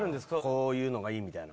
こういうのがいい！みたいな。